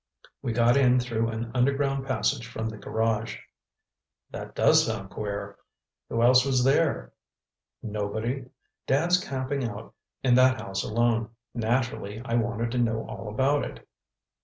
We got in through an underground passage from the garage." "That does sound queer. Who else was there?" "Nobody. Dad's camping out in that house alone. Naturally, I wanted to know all about it."